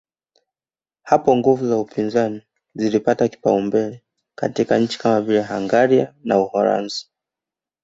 Hapo nguvu za upinzani zilipata kipaumbele katika nchi kama vile Hungaria na Uholanzi